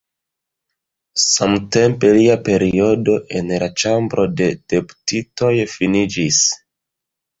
Samtempe, lia periodo en la Ĉambro de Deputitoj finiĝis.